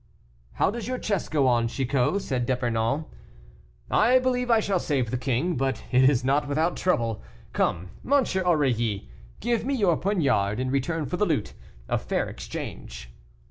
"How does your chess go on, Chicot?" said D'Epernon. "I believe I shall save the king, but it is not without trouble. Come, M. Aurilly, give me your poniard in return for the lute; a fair exchange."